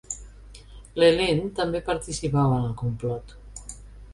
L'Helene també participava en el complot.